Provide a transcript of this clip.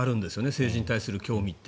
政治に対する興味って。